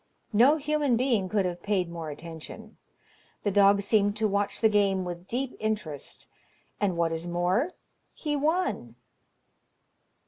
No human being could have paid more attention. The dog seemed to watch the game with deep interest, and what is more, he won.